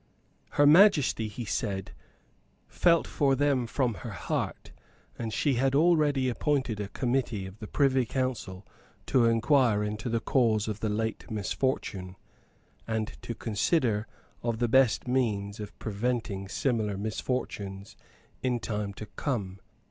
Her Majesty, he said, felt for them from her heart; and she had already appointed a Committee of the Privy Council to inquire into the cause of the late misfortune, and to consider of the best means of preventing similar misfortunes in time to come.